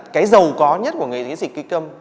cái giàu có nhất của nghề diễn dịch kỳ câm